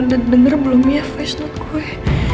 nino udah bener belum ya facenote gue